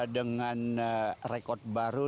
dengan rekor baru